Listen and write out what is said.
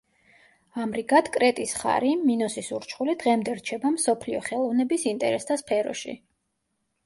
ამრიგად, კრეტის ხარი, მინოსის ურჩხული დღემდე რჩება მსოფლიო ხელოვნების ინტერესთა სფეროში.